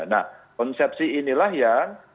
nah konsepsi inilah yang